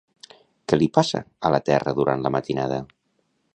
Què li passa a la terra durant la matinada?